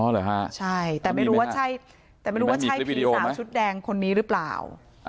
อ๋อหรือฮะใช่แต่ไม่รู้ว่าใช่ผีสาวชุดแดงคนนี้หรือเปล่า